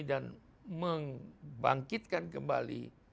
dan membangkitkan kembali